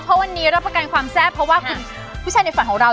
เพราะวันนี้รับประกันความแซ่บเพราะว่าคุณผู้ชายในฝันของเรา